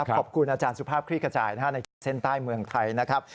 ครับขอบคุณอาจารย์สุภาพคลิกกระจายนะฮะในเช่นใต้เมืองไทยนะครับ